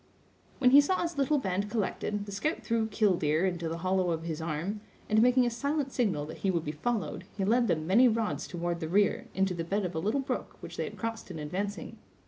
When he saw his little band collected, the scout threw "killdeer" into the hollow of his arm, and making a silent signal that he would be followed, he led them many rods toward the rear, into the bed of a little brook which they had crossed in advancing.